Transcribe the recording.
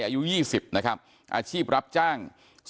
อายุ๒๐นะครับอาชีพรับจ้าง